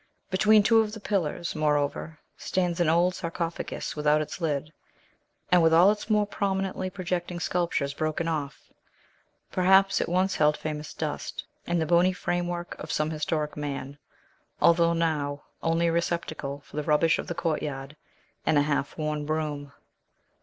Between two of the pillars, moreover, stands an old sarcophagus without its lid, and with all its more prominently projecting sculptures broken off; perhaps it once held famous dust, and the bony framework of some historic man, although now only a receptacle for the rubbish of the courtyard, and a half worn broom.